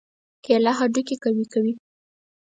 کېله هډوکي قوي کوي.